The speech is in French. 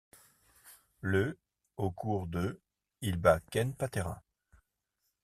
Le au cours de ', il bat Ken Patera.